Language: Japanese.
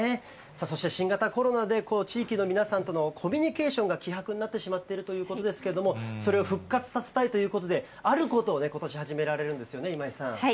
そして新型コロナで、地域の皆さんとのコミュニケーションが希薄になってしまっているということですけれども、それを復活させたいということで、あることをことし、始められるんですよね、今井さん。